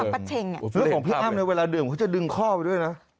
แล้วของพี่อ้ามเนี่ยเวลาดื่มก็จะดึงข้อไปด้วยนะ